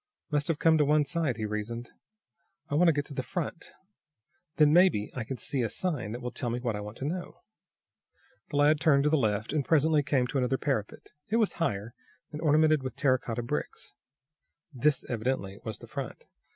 "Must have come to one side," he reasoned. "I want to get to the front. Then, maybe, I can see a sign that will tell me what I want to know." The lad turned to the left, and, presently came to another parapet. It was higher, and ornamented with terra cotta bricks. This, evidently, was the front.